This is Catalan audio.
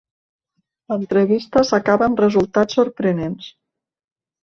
L'entrevista s'acaba, amb resultats sorprenents.